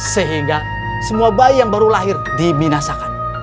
sehingga semua bayi yang baru lahir diminasakan